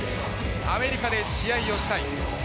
アメリカで試合をしたい。